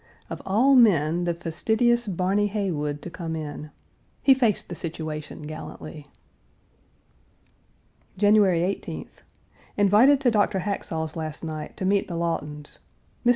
Of all men, the fastidious Barny Heywood to come in. He faced the situation gallantly. January 18th. Invited to Dr. Haxall's last night to meet the Lawtons. Mr.